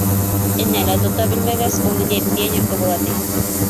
Энә лә тота белмәгәс, ул ниндәй пионерка була, ти?